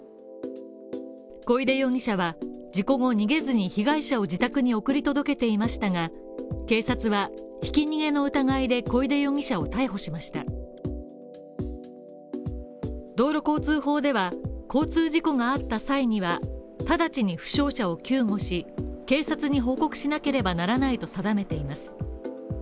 小出容疑者は事故後、逃げずに被害者を自宅に送り届けていましたが、警察はひき逃げの疑いで小出容疑者を逮捕しました道路交通法では交通事故があった際には、直ちに負傷者を救護し、警察に報告しなければならないと定めています。